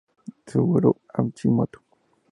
Suguru Hashimoto